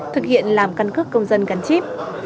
thực hiện làm căn cước công dân gắn chíp